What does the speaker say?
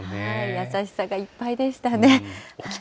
優しさがいっぱいでしたね。